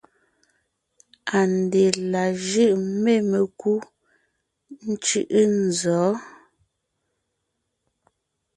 ANDÈ la jʉ̂ʼ mê mekú ńcʉ̂ʼʉ nzɔ̌?